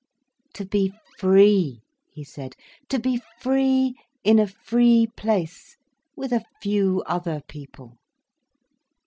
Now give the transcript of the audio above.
"To be free," he said. "To be free, in a free place, with a few other people!"